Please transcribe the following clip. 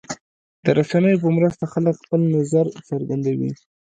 د رسنیو په مرسته خلک خپل نظر څرګندوي.